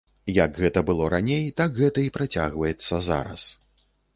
Як гэта было раней, так гэта і працягваецца зараз.